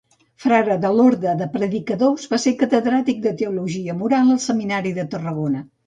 Frare de l'Orde de Predicadors, va ser catedràtic de teologia moral al seminari de Tarragona.